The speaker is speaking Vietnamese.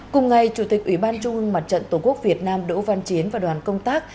cùng ngày chủ tịch ủy ban trung ương mặt trận tổ quốc việt nam đỗ văn chiến và đoàn công tác